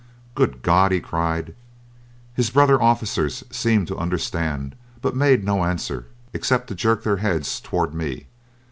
"Good God," he cried. His brother officers seemed to understand, but made no answer, except to jerk their heads toward me.